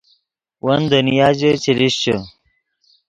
ون دنیا ژے چے لیشچے